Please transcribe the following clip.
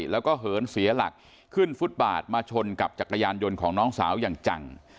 แล้วก็เหินเสียหลักขึ้นฟุตบาทมาชนกับจักรยานยนต์ของน้องสาวอย่างจัง